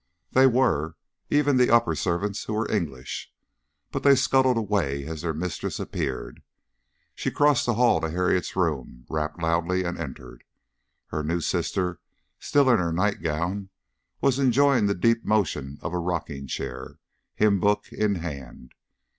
They were, even the upper servants, who were English, but they scuttled away as their mistress appeared. She crossed the hall to Harriet's room, rapped loudly, and entered. Her new sister, still in her nightgown, was enjoying the deep motion of a rocking chair, hymn book in hand.